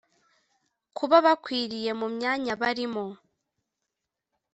kuba bakwiriye mu myanya barimo